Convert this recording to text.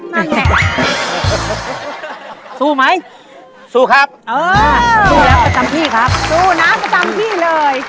นั่นแหละสู้ไหมสู้ครับเออสู้แล้วประจำที่ครับสู้นะประจำที่เลย